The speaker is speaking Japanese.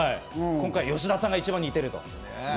今回、吉田さんが一番似てると。